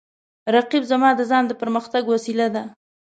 رقیب زما د ځان د پرمختګ وسیله ده